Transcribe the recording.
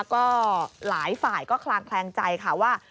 ก็หลายฝ่ายก็คลางแคลงใจค่ะว่า